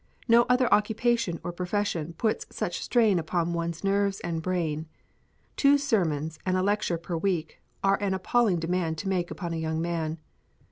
No other occupation or profession puts such strain upon one's nerves and brain. Two sermons and a lecture per week are an appalling demand to make upon a young man.